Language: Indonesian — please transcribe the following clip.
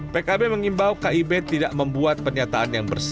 pkb mengimbau kib tidak membuat penyataan yang bersarang